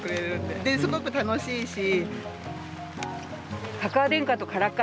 ですごく楽しいし。